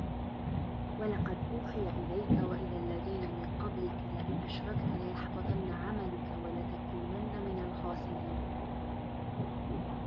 وَلَقَدْ أُوحِيَ إِلَيْكَ وَإِلَى الَّذِينَ مِنْ قَبْلِكَ لَئِنْ أَشْرَكْتَ لَيَحْبَطَنَّ عَمَلُكَ وَلَتَكُونَنَّ مِنَ الْخَاسِرِينَ